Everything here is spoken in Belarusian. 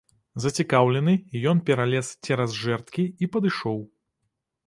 Зацікаўлены, ён пералез цераз жэрдкі і падышоў.